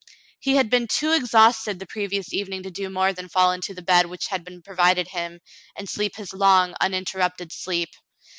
He had been too exhausted the previous evening to do more than fall into the bed which had been provided him and sleep his long, uninterrupted sleep.